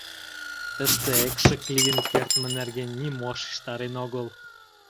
Тыште экшык лийын кертме нерген нимо шижтарен огыл.